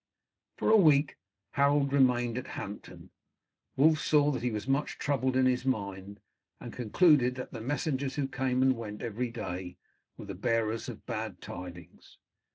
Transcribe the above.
For a week Harold remained at Hampton. Wulf saw that he was much troubled in his mind, and concluded that the messengers who came and went every day were the bearers of bad tidings.